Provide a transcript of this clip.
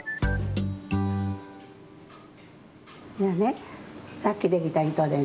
じゃあねさっきできたいとでね